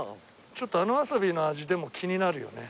ちょっとあのわさびの味でも気になるよね。